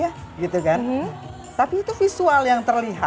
jadi juga ada hitam bahasa indonesia